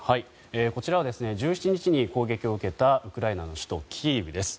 こちらは１７日に攻撃を受けたウクライナの首都キーウです。